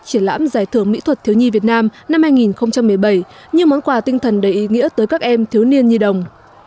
triển lãm giải thưởng mỹ thuật thiếu nhi việt nam năm hai nghìn một mươi bảy như món quà tinh thần đầy ý nghĩa tới các em thiếu niên nhi đồng